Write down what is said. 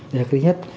đây là thứ nhất